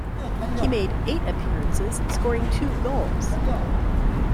He made eight appearances scoring two goals.